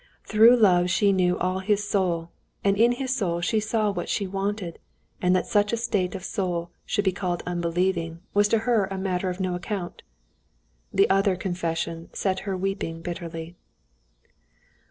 Through love she knew all his soul, and in his soul she saw what she wanted, and that such a state of soul should be called unbelieving was to her a matter of no account. The other confession set her weeping bitterly.